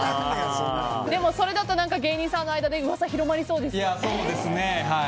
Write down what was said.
でも、それだと芸人さんの間で噂が広まりそうですね。